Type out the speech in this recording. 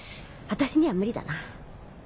私には無理だな。